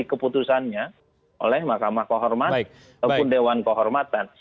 keputusannya oleh mahkamah kohormat ataupun dewan kohormatan